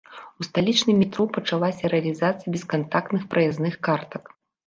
У сталічным метро пачалася рэалізацыя бескантактных праязных картак.